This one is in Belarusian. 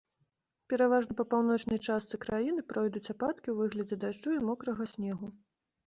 Пераважна па паўночнай частцы краіны пройдуць ападкі ў выглядзе дажджу і мокрага снегу.